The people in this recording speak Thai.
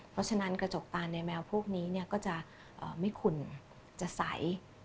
เพราะฉะนั้นกระจกตาลในแมวพวกนี้ก็จะไม่ขุ่นจะใส